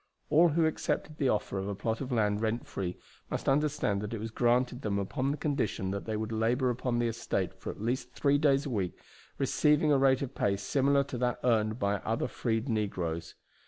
All who accepted the offer of a plot of land rent free must understand that it was granted them upon the condition that they would labor upon the estate for at least three days a week, receiving a rate of pay similar to that earned by other freed negroes.